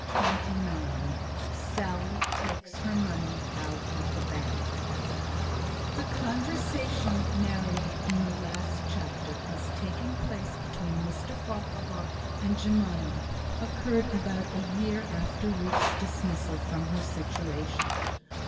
CHAPTER XXIX Sally Takes Her Money Out of the Bank The conversation narrated in the last chapter as taking place between Mr Farquhar and Jemima, occurred about a year after Ruth's dismissal from her situation.